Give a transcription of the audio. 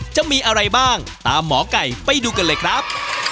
จะมีอะไรบ้างตามหมอไก่ไปดูกันเลยครับ